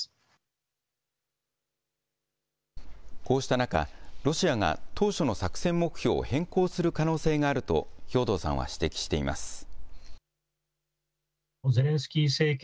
こうした中、ロシアが当初の作戦目標を変更する可能性があると兵頭さんは指摘しています。